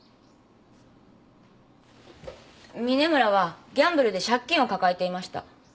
峰村はギャンブルで借金を抱えていました。